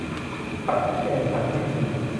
ผัดพริกแกง ผัดพริกขิง